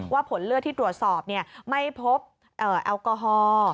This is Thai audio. ผลเลือดที่ตรวจสอบไม่พบแอลกอฮอล์